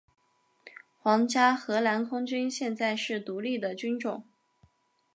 皇家荷兰空军现在是独立的军种。